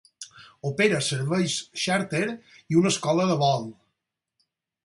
Opera serveis xàrter i una escola de vol.